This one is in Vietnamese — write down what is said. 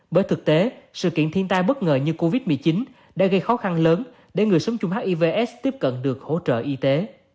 bởi thực tế sự kiện thiên tai bất ngờ như covid một mươi chín đã gây khó khăn lớn để người sống chung hiv aids tiếp cận được hỗ trợ y tế